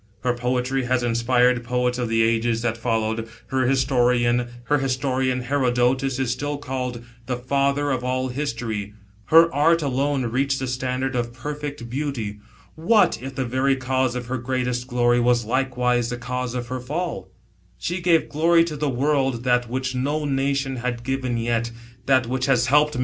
Her poetry has inspired poets of the ages that followed ; her historian, Herodotus, is still called the " Father of all history"; her Art alone reached the standard of perfect beauty. What, if the very cause of her gr'eatest glory, was like (vise the cause of her fall? She gave to the world that, which no nation had given yet, that, which has helped 110 A GIpAT TEACHER. [B.C.